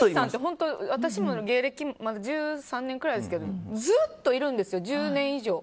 私も芸歴まだ１３年くらいですけどずっといるんですよ、１０年以上。